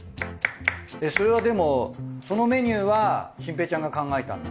それはでもそのメニューは心平ちゃんが考えたんだ？